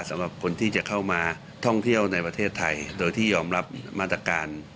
สำหรับคนที่จะเข้ามาท่องเที่ยวในประเทศไทยโดยที่ยอมรับมาตรการ